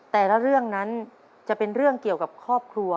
แต่ละเรื่องนั้นจะเป็นเรื่องเกี่ยวกับครอบครัว